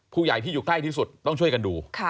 ผู้ใหญ่ที่อยู่ใกล้ที่สุดต้องช่วยกันดู